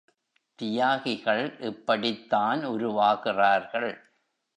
தியாகிகள் இப்படித்தான் உருவாகிறார்கள்.